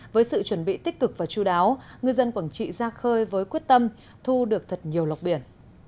với sự chuẩn bị tích cực và chú đáo ngư dân quảng trị ra khơi với quyết tâm thu được thật nhiều lọc biển